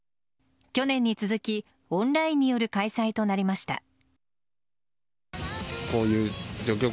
去年に続きオンラインによる開催となりました。